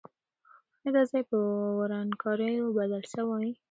آیا دا ځای په ورانکاریو بدل سوی؟